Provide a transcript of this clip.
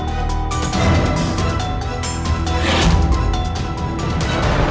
aku akan mencari dia